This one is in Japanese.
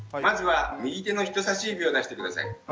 まずは右手の人さし指を出して下さい。